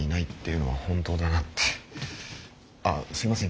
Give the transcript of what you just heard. ああすいません